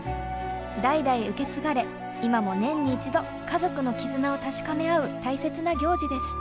代々受け継がれ今も年に１度家族の絆を確かめ合う大切な行事です。